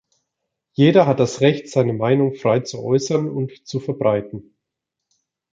Jeder hat das Recht, seine Meinung frei zu äußern und zu verbreiten.